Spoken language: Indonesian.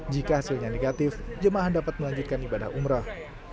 jika hasilnya negatif jemaah dapat melanjutkan ibadah umroh